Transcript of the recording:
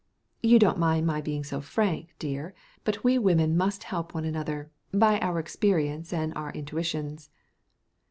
You don't mind my being so frank, dear, but we women must help one another by our experience and our intuitions."